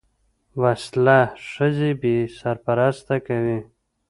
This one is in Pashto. وسله ښځې بې سرپرسته کوي